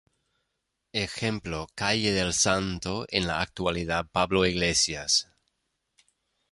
Ej: Calle del Santo, en la actualidad Pablo Iglesias.